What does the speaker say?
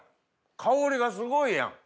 香りがすごいやん！